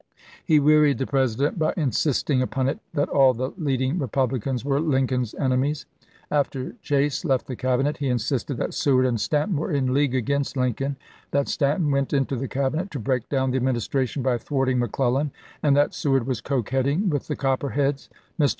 He wearied the President by insisting upon it that all the leading Eepublicans were Lincoln's enemies. After Chase left the Cabinet he insisted that Seward and Stan ton were in league against Lincoln ; that Stanton went into the Cabinet to break down the Admin istration by thwarting McClellan, and that Seward was coquetting with the Copperheads. Mr.